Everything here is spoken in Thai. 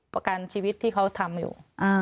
ประกันชีวิตที่เขาทำอยู่